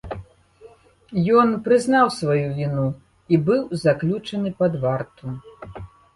Ён прызнаў сваю віну і быў заключаны пад варту.